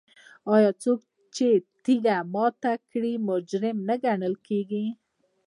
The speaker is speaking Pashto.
آیا څوک چې تیږه ماته کړي مجرم نه ګڼل کیږي؟